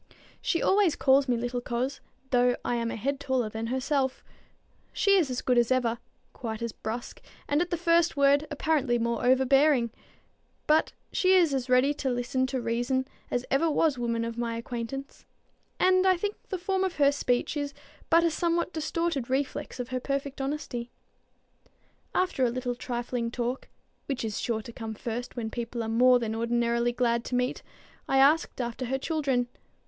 She always calls me little coz, though I am a head taller than herself. She is as good as ever, quite as brusque, and at the first word apparently more overbearing. But she is as ready to listen to reason as ever was woman of my acquaintance; and I think the form of her speech is but a somewhat distorted reflex of her perfect honesty. After a little trifling talk, which is sure to come first when people are more than ordinarily glad to meet, I asked after her children.